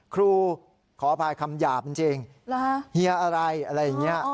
ครูขออภัยคำหยาบจริงเฮียอะไรอะไรอย่างนี้